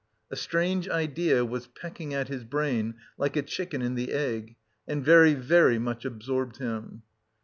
A strange idea was pecking at his brain like a chicken in the egg, and very, very much absorbed him.